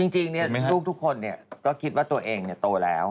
จริงเนี่ยลูกทุกคนเนี่ยก็คิดว่าตัวเองเนี่ยโตแล้ว